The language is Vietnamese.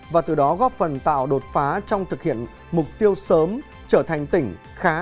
và từ đó góp phần tạo đột phá trong thực hiện mục tiêu sớm trở thành tỉnh khá